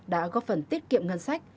đã góp phần tiết kiệm ngân sách